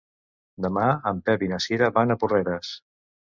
Demà en Pep i na Cira van a Porreres.